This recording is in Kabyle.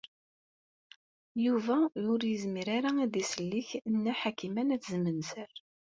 Yuba ur yezmir ara ad isellek Nna Ḥakima n At Zmenzer.